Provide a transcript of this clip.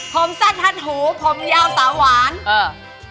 ผมสั้นทัดหูผมยาวสาวหวานเออ